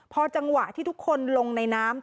พอจังหวะที่ทุกคนลงในน้ำ